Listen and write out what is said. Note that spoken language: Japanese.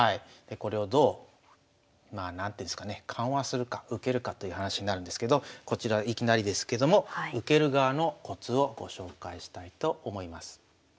これをどうまあ何ていうんですかね緩和するか受けるかという話になるんですけどこちらいきなりですけども受ける側のコツをご紹介したいと思います。